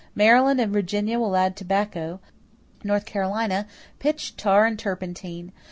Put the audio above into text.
Maryland and Virginia will add tobacco. North Carolina, pitch, tar, and turpentine.